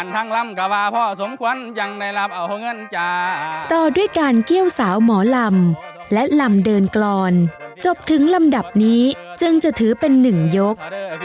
ต่อด้วยการเกี้ยวสาวหมอลำและลำเดินกรอนจบถึงลำดับนี้จึงจะถือเป็นหนึ่งยก